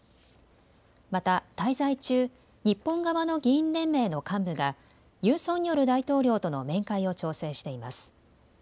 また滞在中、日本側の議員連盟の幹部がユン・ソンニョル大統領との面会を調整しています。